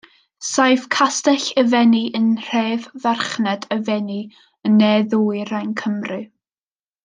Saif Castell y Fenni yn nhref farchnad y Fenni, yn ne-ddwyrain Cymru.